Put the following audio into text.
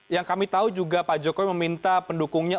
yang kami tahu juga pak jokowi meminta pendukungnya